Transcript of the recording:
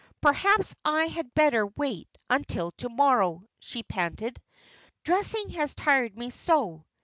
"Perhaps I had better wait until to morrow," she panted; "dressing has tired me so."